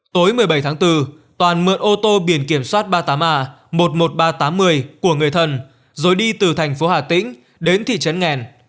tối một mươi bảy tháng bốn toàn mượn ô tô biển kiểm soát ba mươi tám a một mươi một nghìn ba trăm tám mươi của người thân rồi đi từ thành phố hà tĩnh đến thị trấn nghèn